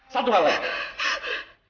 satu hal lagi